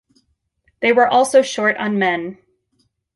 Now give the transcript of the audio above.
They were also short on men.